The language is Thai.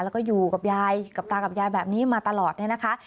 แล้วก็อยู่กับยายกับตากับยายแบบนี้มาตลอดเนี่ยนะคะ